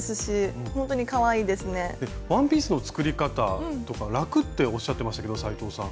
ワンピースの作り方とか楽っておっしゃってましたけど斉藤さん。